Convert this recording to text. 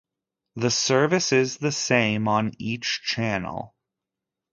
The service is the same on each channel.